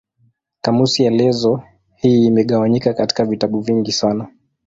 Kamusi elezo hii imegawanyika katika vitabu vingi sana.